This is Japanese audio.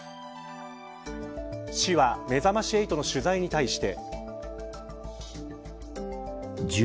市はめざまし８の取材に対して。